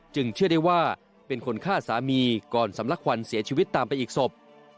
เชื่อได้ว่าเป็นคนฆ่าสามีก่อนสำลักควันเสียชีวิตตามไปอีกศพ